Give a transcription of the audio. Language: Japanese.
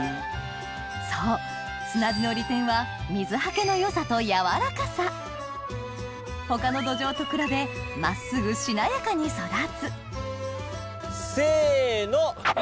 そう砂地の利点は水はけの良さとやわらかさ他の土壌と比べに育つせのっ！